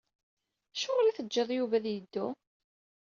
Acuɣer ay tejjid Yuba ad yeddu?